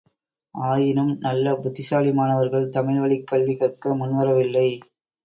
ஆயினும் நல்ல புத்திசாலி மாணவர்கள் தமிழ் வழிக்கல்வி கற்க முன்வரவில்லை.